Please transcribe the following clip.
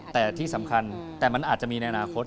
แต่ที่สำคัญแต่มันอาจจะมีในอนาคต